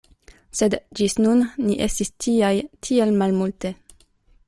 Sed ĝis nun ni estis tiaj tiel malmulte.